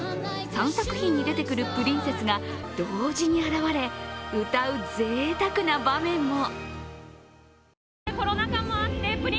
３作品に出てくるプリンセスが同時にあらわれ歌う贅沢な場面も。